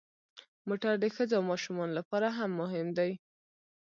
موټر د ښځو او ماشومانو لپاره هم مهم دی.